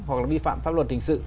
hoặc là vi phạm pháp luật hình sự